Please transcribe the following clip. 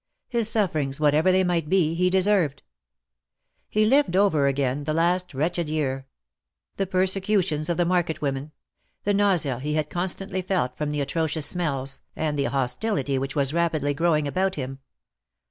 His sufferings, whatever they might be, he deserved. He lived over again the last wretched year ; the persecutions of the market women ; the nausea he had constantly felt from the atrocious smells, and the hostility which was rapidly growing about him.